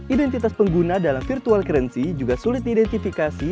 identitas pengguna dalam virtual currency juga sulit diidentifikasi